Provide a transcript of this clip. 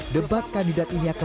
debat kandidat ini akan